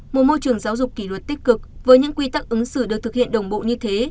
một môi trường giáo dục kỷ luật tích cực với những quy tắc ứng xử được thực hiện đồng bộ như thế